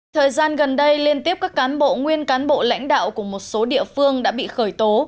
thời gian gần đây liên tiếp các cán bộ nguyên cán bộ lãnh đạo của một số địa phương đã bị khởi tố